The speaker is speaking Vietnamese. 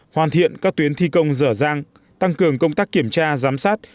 hoàn thiện các tuyến thi công rở rang tăng cường công tác kiểm tra giám sát